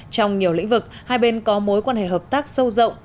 trong nhiều lĩnh vực hai bên có mối quan hệ hợp tác sâu rộng